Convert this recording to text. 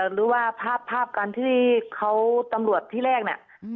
หรือว่าภาพตอนที่เขาตำรวจที่แรกเนี่ย